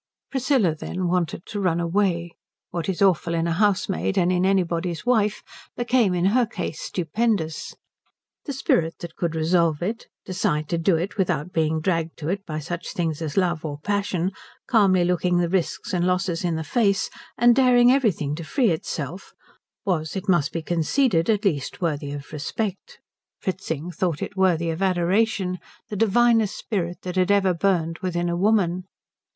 Priscilla, then, wanted to run away. What is awful in a housemaid and in anybody's wife became in her case stupendous. The spirit that could resolve it, decide to do it without being dragged to it by such things as love or passion, calmly looking the risks and losses in the face, and daring everything to free itself, was, it must be conceded, at least worthy of respect. Fritzing thought it worthy of adoration; the divinest spirit that had ever burned within a woman.